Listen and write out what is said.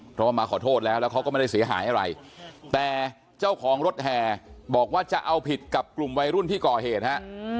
เพราะว่ามาขอโทษแล้วแล้วเขาก็ไม่ได้เสียหายอะไรแต่เจ้าของรถแห่บอกว่าจะเอาผิดกับกลุ่มวัยรุ่นที่ก่อเหตุฮะ